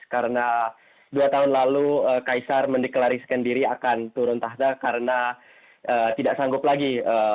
karena dua tahun lalu kaisar mendeklarisikan diri akan turun tahta karena tidak sanggup lagi